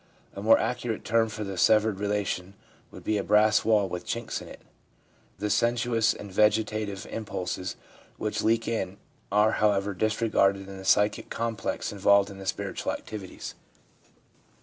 A more accurate term for the severed relation would be a brass wall with chinks in it. The sensuous and the vegetative impulses which leak in are, however, disregarded in the psychic complex in volved in spiritual activities.